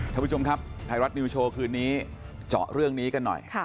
ท่านผู้ชมครับไทยรัฐนิวโชว์คืนนี้เจาะเรื่องนี้กันหน่อย